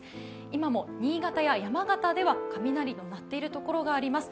今も新潟や山形では雷の鳴っているところがあります。